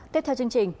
tiếp theo chương trình